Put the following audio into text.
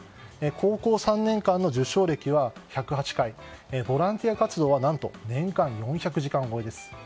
高校３年間の受賞歴は１０８回ボランティア活動は何と年間４００時間超えです。